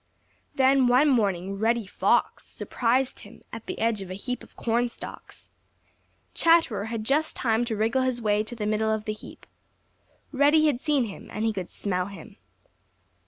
Then one morning Reddy Fox surprised him at the edge of a heap of cornstalks. Chatterer had just time to wriggle his way to the middle of the heap. Reddy had seen him, and he could smell him.